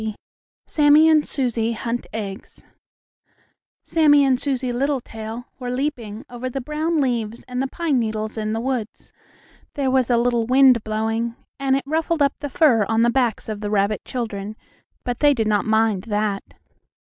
XX SAMMIE AND SUSIE HUNT EGGS Sammie and Susie Littletail were leaping over the brown leaves and the pine needles in the woods. There was a little wind blowing, and it ruffled up the fur on the backs of the rabbit children, but they did not mind that.